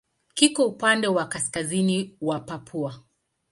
Kiko upande wa kaskazini wa Papua.